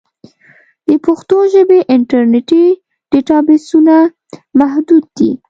د پښتو ژبې انټرنیټي ډیټابېسونه محدود دي.